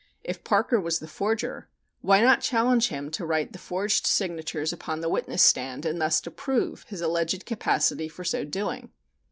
If Parker was the forger, why not challenge him to write the forged signatures upon the witness stand and thus to prove his alleged capacity for so doing?